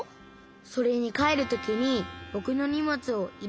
それにかえるときにぼくのにもつをいれてくれるでしょ？